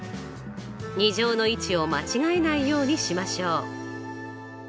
２乗の位置を間違えないようにしましょう。